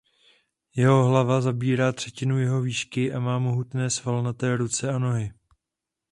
Jeho hlava zabírá třetinu jeho výšky a má mohutné svalnaté ruce a nohy.